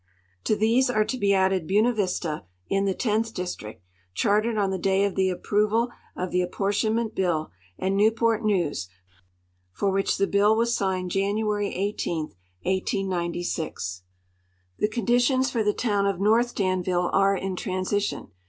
To these are to be added Buena Vista, in the tenth district, chartered on the day of the approval of the apportionment bill, and Newport News, for Avhich the bill Avas signed January 18, 1896. The conditions for the town of North Danville are in transition.